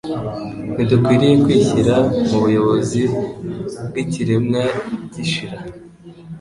Ntidukwiriye kwishyira mu buyobozi bw'ikiremwa gishira.